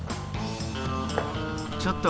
ちょっと。